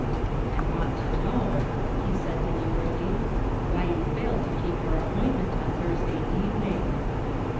" I want to know," he said deliberately, " why you failed to keep your appointment on Thursday evening.